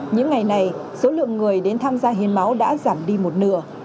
những ngày này số lượng người đến tham gia hiến máu đã giảm đi một nửa